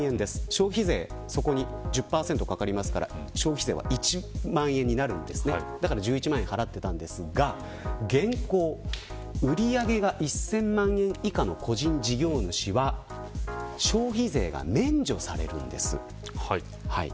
消費税がそこに１０％かかるので１万円になるので１１万円払っていたんですが現行、売り上げが１０００万円以下の個人事業主は消費税が免除されるんです。